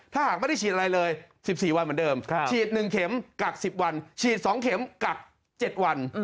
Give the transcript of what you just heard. ถ้าหากไม่ได้ฉีดอะไรเลย๑๔วันเหมือนเดิมฉีด๑เข็มกัก๑๐วันฉีด๒เข็มกัก๗วัน